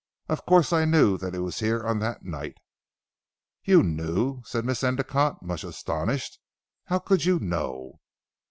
Of course I knew that he was here on that night." "You knew?" said Miss Endicotte much astonished. "How could you know."